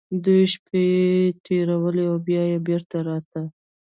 دوې شپې يې تېرولې او بيا بېرته راته.